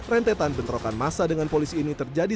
rentetan bentrokan masa dengan polisi ini terjadi